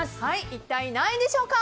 一体何位でしょうか。